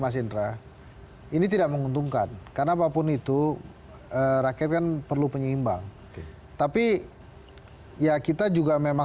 mas indra ini tidak menguntungkan karena apapun itu rakyat kan perlu penyeimbang tapi ya kita juga memang